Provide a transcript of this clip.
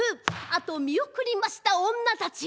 あとを見送りました女たち。